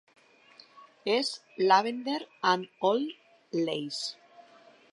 És "Lavender and Old Lace".